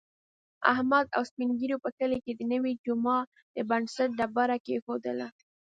احمد او سپین ږېرو په کلي کې د نوي جوما د بنسټ ډبره کېښودله.